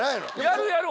やるやる